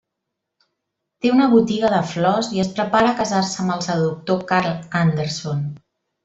Té una botiga de flors i es prepara a casar-se amb el seductor Karl Anderson.